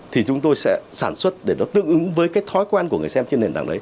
thì chúng tôi sẽ sản xuất để nó tương ứng với cái thói quen của người xem trên nền tảng đấy